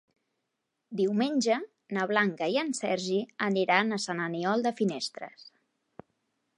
Diumenge na Blanca i en Sergi aniran a Sant Aniol de Finestres.